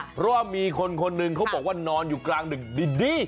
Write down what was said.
เพราะว่ามีคนคนหนึ่งเขาบอกว่านอนอยู่กลางดึกดี